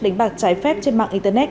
đánh bạc trái phép trên mạng internet